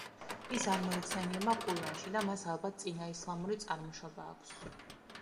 ის არ მოიხსენიება ყურანში, და მას ალბათ წინაისლამური წარმოშობა აქვს.